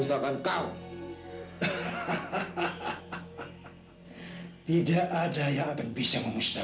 semoga itu terjadiiyoruz di luar negara